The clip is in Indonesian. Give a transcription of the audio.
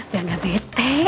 biar gak bete